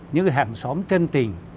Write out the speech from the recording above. những hàng xóm chân tình